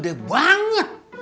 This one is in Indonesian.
nih kopernya gede banget